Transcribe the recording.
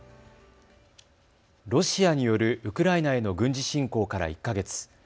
ロシアによるウクライナへの軍事侵攻から１か月。